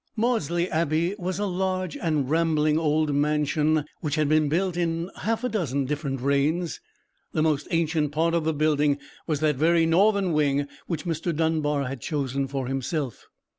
Maudesley Abbey was a large and rambling old mansion, which had been built in half a dozen different reigns. The most ancient part of the building was that very northern wing which Mr. Dunbar had chosen for himself.